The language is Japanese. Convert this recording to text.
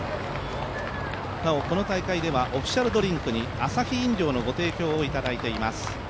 なおこの大会ではオフィシャルドリンクにアサヒ飲料のご提供をいただいています。